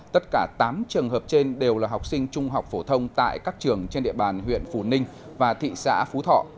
tất cả tám trường hợp trên đều là học sinh trung học phổ thông tại các trường trên địa bàn huyện phù ninh và thị xã phú thọ